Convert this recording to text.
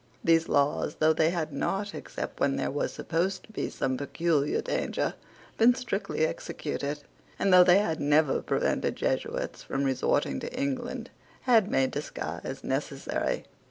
These laws, though they had not, except when there was supposed to be some peculiar danger, been strictly executed, and though they had never prevented Jesuits from resorting to England, had made disguise necessary.